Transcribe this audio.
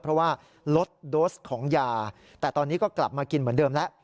เพราะว่าลดโดสของยาแต่ตอนนี้ก็กลับมากินเหมือนเดิมแล้ว